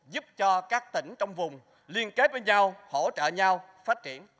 giúp cho các tỉnh trong vùng liên kết với nhau hỗ trợ nhau phát triển